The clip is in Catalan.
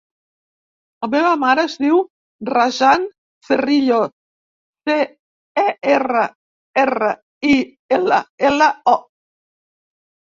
La meva mare es diu Razan Cerrillo: ce, e, erra, erra, i, ela, ela, o.